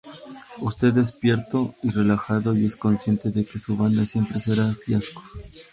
Usted despierto y relajado y es consciente de que su banda siempre será fiasco.